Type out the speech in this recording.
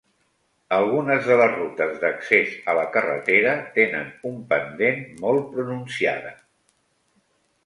Algunes de les rutes d'accés a la carretera tenen un pendent molt pronunciada.